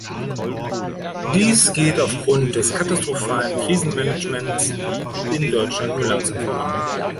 Dies geht aufgrund des katastrophalen Krisenmanagements in Deutschland nur langsam voran.